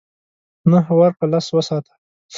نهه ورکړه لس وساته .